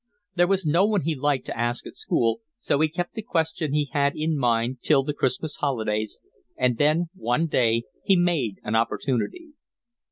There was no one he liked to ask at school, so he kept the question he had in mind till the Christmas holidays, and then one day he made an opportunity.